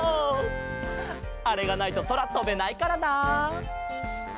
あれがないとそらとべないからな。